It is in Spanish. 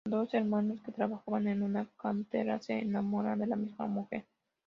Dos hermanos que trabajan en una cantera se enamoran de la misma mujer.